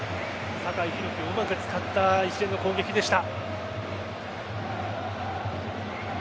酒井宏樹をうまく使った一連の攻撃でした。